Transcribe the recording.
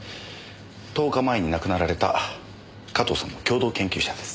１０日前に亡くなられた加藤さんの共同研究者です。